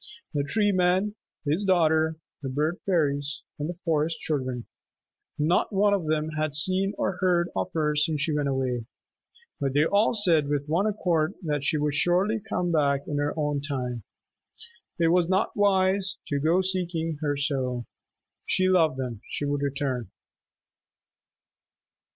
The Tree Man, his daughter, the Bird Fairies, and the Forest Children, not one of them had seen or heard of her since she went away. But they all said with one accord that she would surely come back in her own time. It was not wise to go seeking her so. She loved them. She would return.